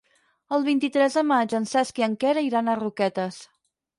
El vint-i-tres de maig en Cesc i en Quer iran a Roquetes.